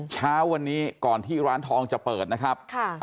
เช้าวันนี้ก่อนที่ร้านทองจะเปิดนะครับ